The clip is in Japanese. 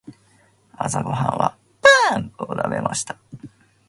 朝ごはんはパンを食べました。